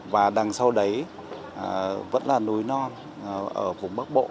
và đằng sau đấy vẫn là núi non ở vùng bắc bộ